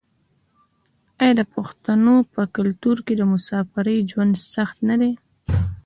آیا د پښتنو په کلتور کې د مسافرۍ ژوند سخت نه دی؟